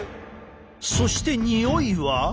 そしてにおいは？